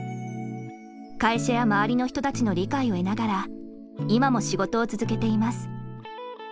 会社や周りの人たちの理解を得ながら今も仕事を続けています。